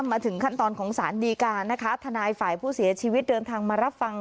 มาถึงขั้นตอนของสารดีการนะคะทนายฝ่ายผู้เสียชีวิตเดินทางมารับฟัง